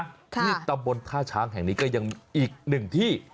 ที่ตำบลท่าช้างแห่งนี้ก็ยังมีอีกหนึ่งที่